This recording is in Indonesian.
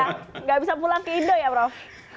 tidak bisa pulang ke indo ya prof